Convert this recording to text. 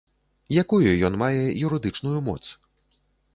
Якую ён мае юрыдычную моц?